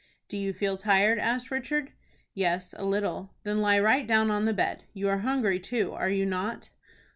"Do you feel tired?" asked Richard. "Yes, a little." "Then lie right down on the bed. You are hungry too, are you not?"